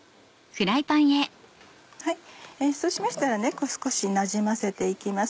そうしましたら少しなじませて行きます。